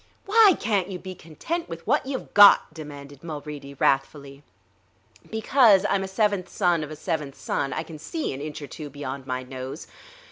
"Why can't you be content with what you've got?" demanded Mulready wrathfully. "Because I'm a seventh son of a seventh son; I can see an inch or two beyond my nose.